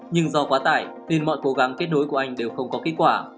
nhưng do quá tải nên mọi cố gắng kết nối của anh đều không có kết quả